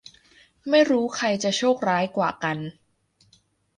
ไม่รู้ใครจะโชคร้ายกว่ากัน